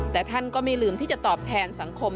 แต่ท่านก็ไม่ลืมที่จะตอบแทนสังคม